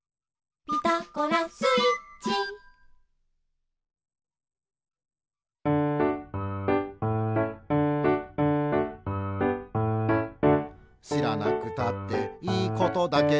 「ピタゴラスイッチ」「しらなくたっていいことだけど」